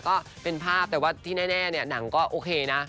ก็เป็นภาพแต่ว่าที่แน่เนี่ยหนังก็โอเคนะ